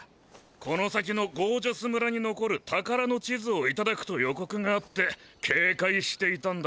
この先のゴージャス村に残る宝の地図をいただくとよこくがあってけいかいしていたんだ。